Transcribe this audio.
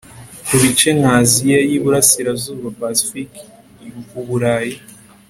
ku bice nka asia y' uburasirazuba, pacific, uburayi